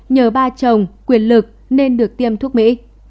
nhờ ba chồng quyền lực nên được tiêm thuốc mỹ